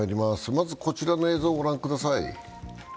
まずこちらの映像を御覧ください。